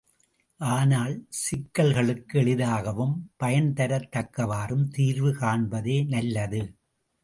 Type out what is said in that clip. ஆனால் சிக்கல்களுக்கு எளிதாகவும் பயன்தரத் தக்கவாறும் தீர்வு காண்பதே நல்லது.